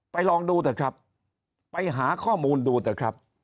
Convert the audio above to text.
ลองดูเถอะครับไปหาข้อมูลดูเถอะครับ